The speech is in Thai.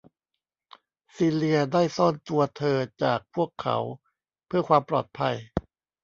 ซีเลียได้ซ่อนตัวเธอจากพวกเขาเพื่อความปลอดภัย